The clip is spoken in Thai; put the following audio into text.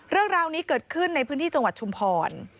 เรื่องราวนี้เกิดขึ้นในพื้นที่จังหวัดชุมพร